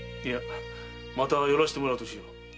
いやまた寄らせてもらうとしよう。